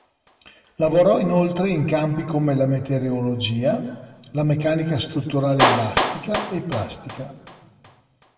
Lavorò inoltre in campi come la meteorologia, la meccanica strutturale elastica e plastica.